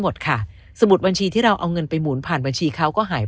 หมดค่ะสมุดบัญชีที่เราเอาเงินไปหมุนผ่านบัญชีเขาก็หาย